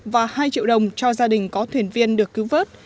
và hai triệu đồng cho gia đình có thuyền viên được cứu vớt